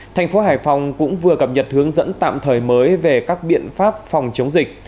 thành phố hải phòng cũng vừa cập nhật hướng dẫn tạm thời mới về các biện pháp phòng chống dịch